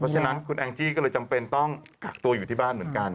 เพราะฉะนั้นคุณแองจี้ก็เลยจำเป็นต้องกักตัวอยู่ที่บ้านเหมือนกัน